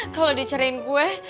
kalau dicerain gue